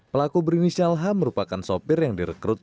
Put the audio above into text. pelaku berinisial h merupakan sopir yang direkrut